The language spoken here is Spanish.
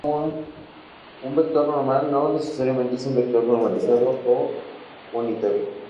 Un vector normal no necesariamente es un vector normalizado o unitario.